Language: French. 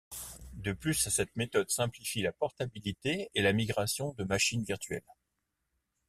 De plus, cette méthode simplifie la portabilité et la migrations de machines virtuelles.